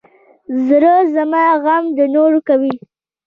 زړه زما غم د نورو کوي.